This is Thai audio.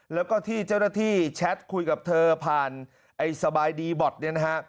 แล้วก็ที่เจ้าหน้าที่แชทคุยกับเธอผ่านไอ้สบายดีบอร์ดเนี่ยนะฮะ